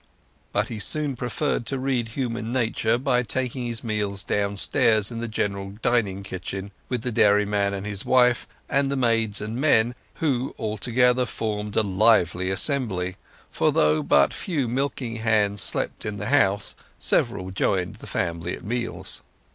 But he soon preferred to read human nature by taking his meals downstairs in the general dining kitchen, with the dairyman and his wife, and the maids and men, who all together formed a lively assembly; for though but few milking hands slept in the house, several joined the family at meals.